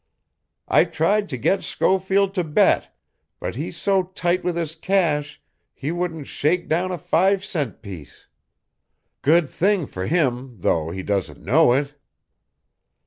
I tried to get Schofield to bet, but he's so tight with his cash he wouldn't shake down a five cent piece. Good thing for him, though, he doesn't know it.